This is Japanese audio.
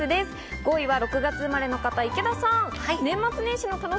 ５位は６月生まれの方、池田さん。